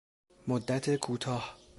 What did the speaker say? مدت کوتاه